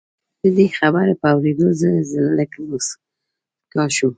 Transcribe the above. د دې خبرې په اورېدو زه لږ موسک شوم